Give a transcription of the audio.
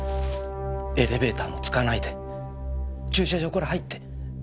エレベーターも使わないで駐車場から入って。